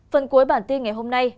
phần cuối bản tin ngày hôm nay